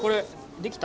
できた？